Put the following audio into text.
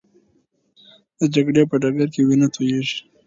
د جګړې په ډګر کې وینه تویېږي.